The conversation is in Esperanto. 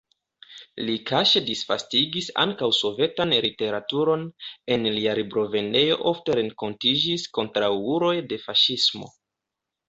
Li kaŝe disvastigis ankaŭ sovetan literaturon, en lia librovendejo ofte renkontiĝis kontraŭuloj de faŝismo.